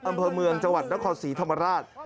อำเภอเมืองจังหวัดนครศรีธรรมราช